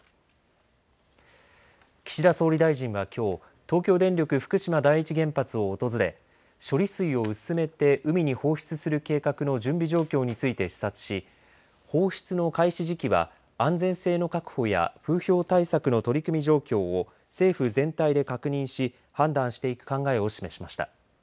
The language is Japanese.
岸田総理大臣はきょう東京電力福島第一原発を訪れ処理水を薄めて海に放出する計画の準備状況について視察し放出の開始時期は安全性の確保や風評対策の取り組み状況を政府全体で確認し判断していく考えを示しました。